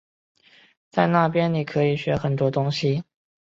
在那边你可以学很多东西